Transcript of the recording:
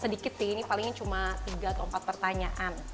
sedikit sih ini palingnya cuma tiga atau empat pertanyaan